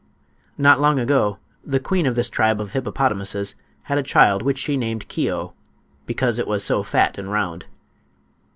Not long ago the queen of this tribe of hippopotamuses had a child which she named Keo, because it was so fat and round.